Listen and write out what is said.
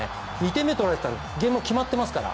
２点目を取られていたらゲームは決まっていますから。